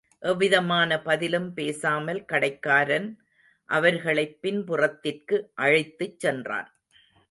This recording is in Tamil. எவ்விதமான பதிலும் பேசாமல் கடைக்காரன் அவர்களைப் பின்புறத்திற்கு அழைத்துச் சென்றான்.